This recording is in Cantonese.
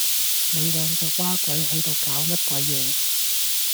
你兩隻嘩鬼係度搞乜鬼野